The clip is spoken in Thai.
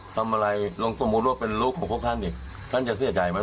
ทำอะไรลงสมมุติว่าเป็นลูกของพวกท่านอีกท่านจะเสียใจไหม